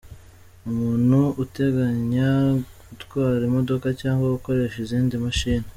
Umuntu uteganya gutwara imodoka cg gukoresha izindi mashini.